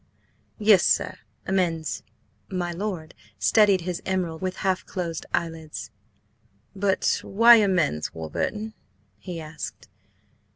"Yes, sir. Amends." My lord studied his emerald with half closed eyelids. "But why–amends, Warburton?" he asked.